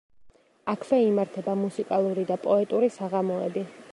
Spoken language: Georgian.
აქვე იმართება მუსიკალური და პოეტური საღამოები.